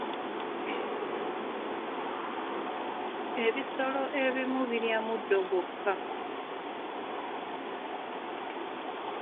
Ebisolo ebimu birya muddo gwokka